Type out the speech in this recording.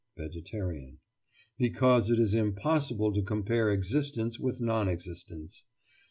VEGETARIAN: Because it is impossible to compare existence with non existence.